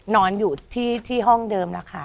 นอนอยู่ที่ห้องเดิมแล้วค่ะ